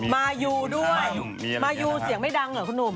มายูด้วยมายูเสียงไม่ดังเหรอคุณหนุ่ม